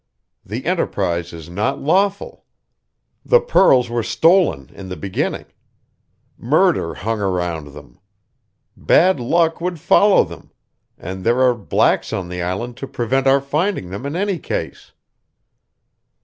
The enterprise is not lawful. The pearls were stolen in the beginning; murder hung around them. Bad luck would follow them and there are blacks on the island to prevent our finding them, in any case."